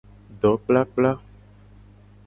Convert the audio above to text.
Dokplakpla.